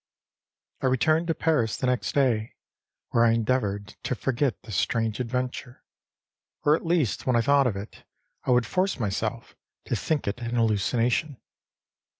I returned to Paris the next day, where I endeavored to forget the strange adventure; or at least when I thought of it, I would force myself to think it an hallucination.